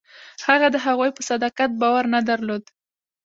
هغه د هغوی په صداقت باور نه درلود.